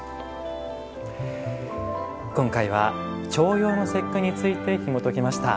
今回は「重陽の節句」についてひもときました。